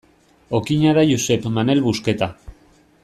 Okina da Josep Manel Busqueta.